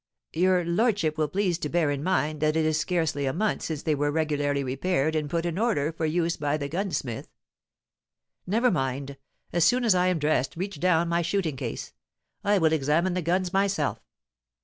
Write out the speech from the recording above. "Your lordship will please to bear in mind that it is scarcely a month since they were regularly repaired and put in order for use by the gunsmith." "Never mind! As soon as I am dressed reach down my shooting case; I will examine the guns myself.